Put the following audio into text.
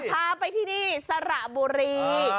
พาไปที่นี่สระบุรี